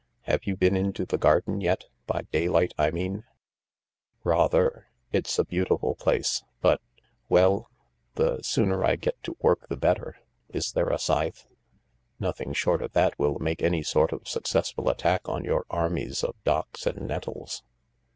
Have you been into the garden yet— by daylight, I mean ?"" Rather ! It's a beautiful place— but ... well ... the sooner I get to work the better. Is there a scythe ? Nothing short of that will make any sort of successful attack on your armies of docks and nettles."